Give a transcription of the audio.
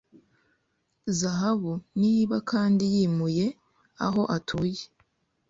zahabu Niba kandi yimuye aho atuye